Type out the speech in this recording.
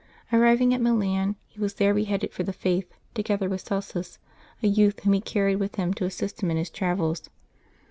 Arriving at Milan, he was there beheaded for the Faith, together with Celsus, a youth whom he carried with him to assist him in his travels.